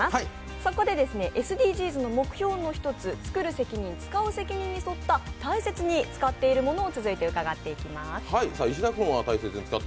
そこでＳＤＧｓの目標の一つ、「つくる責任つかう責任」に沿った大切に使っているものを続いて伺っていきます。